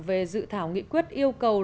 về dự thảo nghị quyết yêu cầu